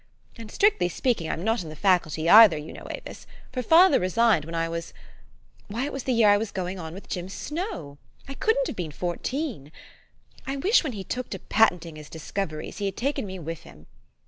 And, strictly speak ing, I'm not in the Faculty either, you know, Avis ; for father resigned when I was Why? it was the j^ear I was going on with Jim Snowe : I couldn't have been fourteen. I wish, when he took to patent ing his discoveries, he had taken me with him.